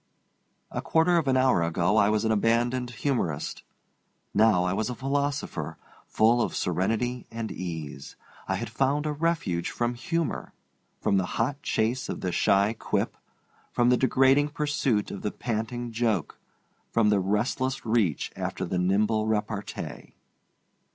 A quarter of an hour ago I was an abandoned humorist. Now I was a philosopher, full of serenity and ease. I had found a refuge from humor, from the hot chase of the shy quip, from the degrading pursuit of the panting joke, from the restless reach after the nimble repartee.